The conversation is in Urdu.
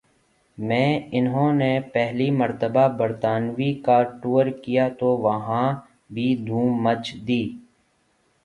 میں انہو نہ پہلی مرتبہ برطانوی کا ٹور کیا تو وہاں بھی دھوم مچ دی